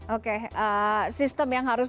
oke sistem yang harus